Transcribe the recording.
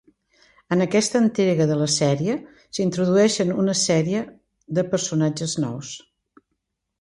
En aquesta entrega de la sèrie s'introdueixen una sèrie de personatges nous.